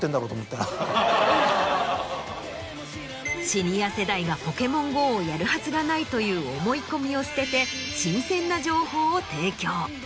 シニア世代がポケモンＧＯをやるはずがないという思い込みを捨てて新鮮な情報を提供。